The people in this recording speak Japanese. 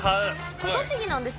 これ栃木なんですか？